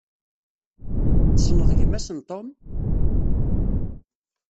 Tessneḍ gma-s n Tom?